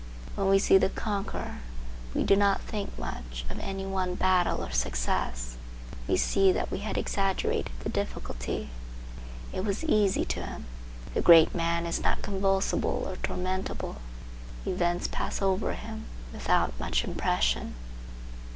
When we see the conqueror we do not think much of any one battle or success. We see that we had exaggerated the difficulty. It was easy to him. The great man is not convulsible or tormentable; events pass over him without much impression.